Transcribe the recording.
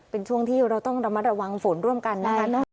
เป็นช่วงที่เราต้องระมัดระวังฝนร่วมกันนะคะ